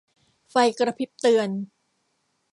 ไฟกระพริบเตือน